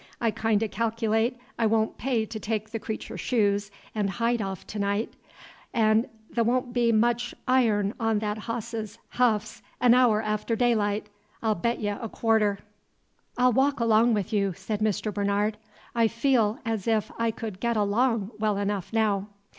I kind o' calc'late 't won't pay to take the cretur's shoes 'n' hide off to night, 'n' the' won't be much iron on that hose's huffs an haour after daylight, I'll bate ye a quarter." "I'll walk along with you," said Mr. Bernard; "I feel as if I could get along well enough now."